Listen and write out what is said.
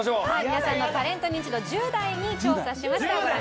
皆さんのタレントニンチド１０代に調査しました。